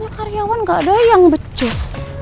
ini karyawan gak ada yang becos